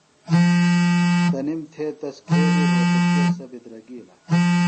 تنِم تھےۡ تس کھیلیۡ رھوتشے سےۡ بِدرگیلہ۔